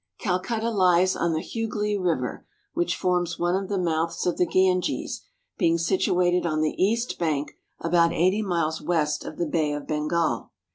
Calcutta lies on the Hugh River, which forms one of the mouths of the Ganges, being situated on the east bank about eighty miles west of the Bay of Bengal.